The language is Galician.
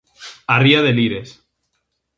A ría de Lires.